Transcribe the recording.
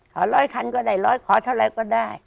ขอร้อยคันก็ได้ขอเท่าไรก็ได้